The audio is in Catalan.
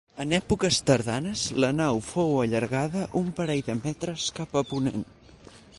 En èpoques tardanes la nau fou allargada un parell de metres cap a ponent.